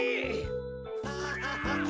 ハハハハハ。